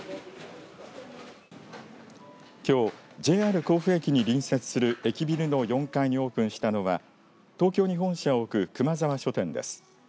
きょう、ＪＲ甲府駅に隣接する駅ビルの４階にオープンしたのは東京に本社を置くくまざわ書店です。